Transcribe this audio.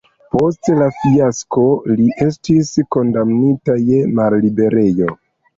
Post la fiasko li estis kondamnita je malliberejo.